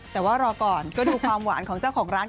แต่ว่ารอก่อนก็ดูความหวานของเจ้าของร้าน